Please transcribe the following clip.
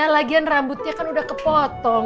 lagian rambutnya kan udah kepotong